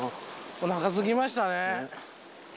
おなかすきましたね。